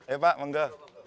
eh pak mengge